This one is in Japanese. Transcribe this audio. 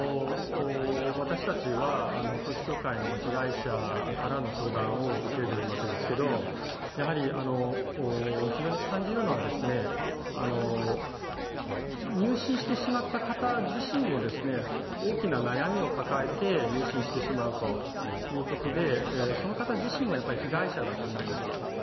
私たちは統一教会の被害者からの相談を受けるわけですけれど、非常に感じるのは入信してしまった方自身も大きな悩みを抱えて入信してしまうということで、その方自身も被害者だと思うんです。